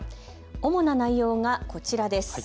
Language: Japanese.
主な内容がこちらです。